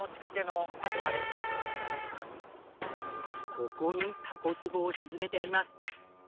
ここにタコ壺を沈めてあります。